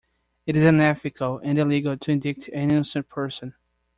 It is unethical and illegal to indict an innocent person.